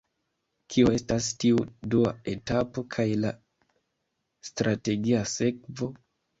Kio estas tiu dua etapo kaj la strategia sekvo?